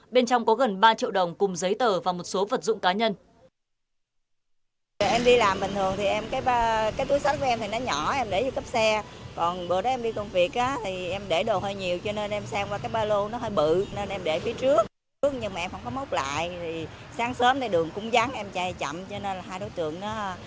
bên trong có gần ba triệu đồng cùng giấy tờ và một số vật dụng cá nhân